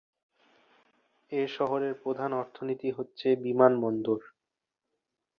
এ শহরের প্রধান অর্থনীতি হচ্ছে, বিমান বন্দর।